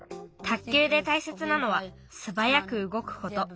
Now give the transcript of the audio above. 卓球でたいせつなのはすばやくうごくこと。